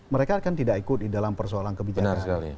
mereka kan tidak ikut di dalam persoalan kebijakan